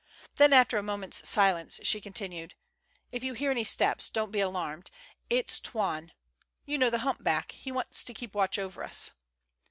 Then after a moment's silence she continued: " If you hear any steps, don't be alarmed. It's Toine — ^you know, the humpback. He wants to keep watch over us."